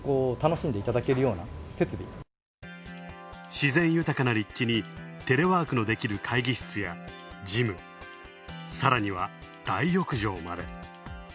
自然豊かな立地に、テレワークができる会議室やジム、さらには大浴場まで。